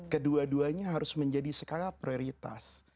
kedua duanya harus menjadi skala prioritas